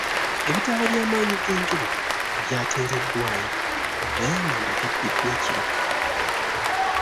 Ebitala by'amannyi g'enjuba by'ateereddwayo naye amanda gabbiddwa ekiro.